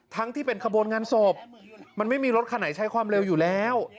ที่เป็นขบวนงานศพมันไม่มีรถคันไหนใช้ความเร็วอยู่แล้ว